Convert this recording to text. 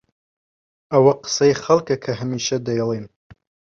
ئەوە قسەی خەڵکە کە هەمیشە دەیڵێن.